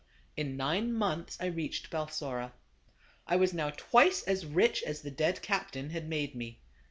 In nine months I reached Balsora. I was now twice as rich as the dead captain had made me.